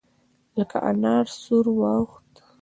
لکه انار سور واوښت.